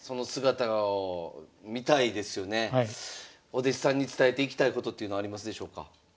お弟子さんに伝えていきたいことっていうのはありますでしょうか？